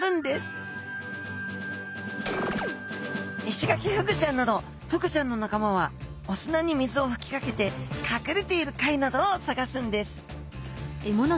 イシガキフグちゃんなどフグちゃんの仲間はお砂に水をふきかけてかくれている貝などを探すんです